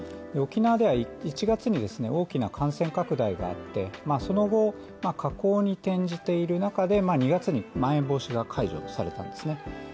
沖縄では１月に大きな感染拡大があってその後、下降に転じている中で２月にまん延防止が解除されたんですね。